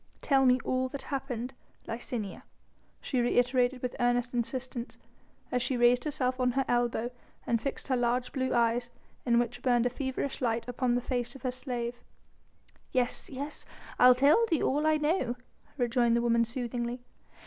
"Tell me all that happened, Licinia," she reiterated with earnest insistence, as she raised herself on her elbow and fixed her large blue eyes, in which burned a feverish light, upon the face of her slave. "Yes! yes! I'll tell thee all I know," rejoined the woman soothingly.